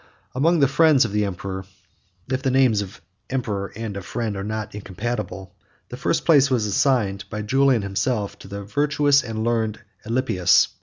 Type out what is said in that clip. Among the friends of the emperor (if the names of emperor, and of friend, are not incompatible) the first place was assigned, by Julian himself, to the virtuous and learned Alypius.